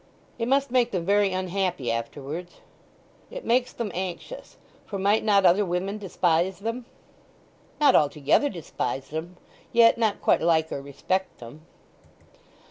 "It must make them very unhappy afterwards." "It makes them anxious; for might not other women despise them?" "Not altogether despise them. Yet not quite like or respect them."